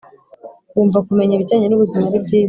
Wumva kumenya ibijyanye n’ubuzima aribyiza